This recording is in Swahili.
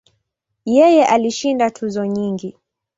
Yeye ana alishinda tuzo nyingi.